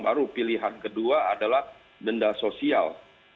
baru pilihan kedua adalah denda sosial